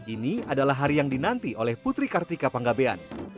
ini adalah hari yang dinanti oleh putri kartika panggabean